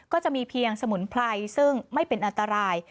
ก็จะมีเพียงสมุนไพรซึ่งไม่เป็นอันตราย